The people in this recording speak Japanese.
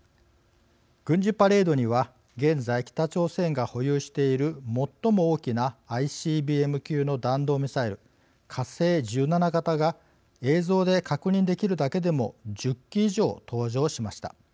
軍事パレードには、現在北朝鮮が保有している最も大きなＩＣＢＭ級の弾道ミサイル、火星１７型が映像で確認できるだけでも１０基以上登場しました。